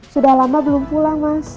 sudah lama belum pulang mas